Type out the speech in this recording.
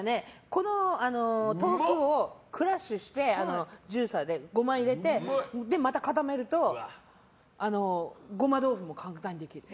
この豆腐をクラッシュしてジューサーで、ゴマを入れてまた固めるとゴマ豆腐も簡単にできる。